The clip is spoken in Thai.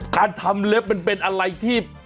การทำเล็บมันเป็นอะไรที่